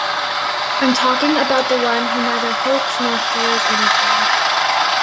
I'm talking about the one who neither hopes nor fears anything.